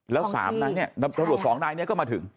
แล้ว๓นายเนี่ยตำรวจสองนายเนี่ยก็มาถึง